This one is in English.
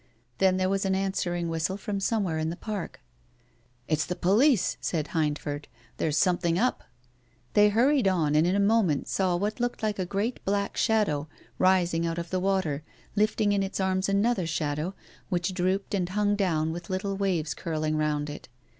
Then there was an answering whistle from somewhere in the Park. "It's the police," said Hindford. "There's something up." They hurried on, and in a moment saw what looked like a great black shadow, rising out of the water, lifting in his arms another shadow, which drooped and hung down Avith the little waves curling round it.